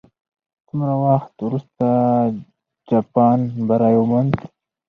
څومره وخت وروسته جاپان بری وموند؟